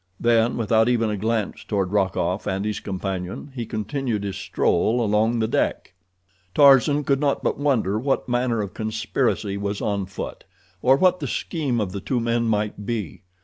Then, without even a glance toward Rokoff and his companion, he continued his stroll along the deck. Tarzan could not but wonder what manner of conspiracy was on foot, or what the scheme of the two men might be.